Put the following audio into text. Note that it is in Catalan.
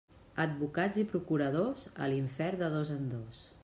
Advocats i procuradors, a l'infern de dos en dos.